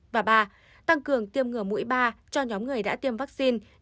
và ba tăng cường tiêm ngừa mũi ba cho nhóm người đã tiêm vaccine